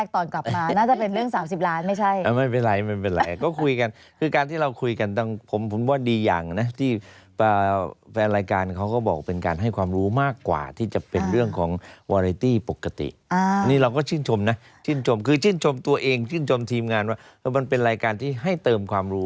ตอนแรกนึกว่าจะได้พบอาจารย์ครั้งแรกตอนกลับมาน่าจะเป็นเรื่อง๓๐ล้านไม่ใช่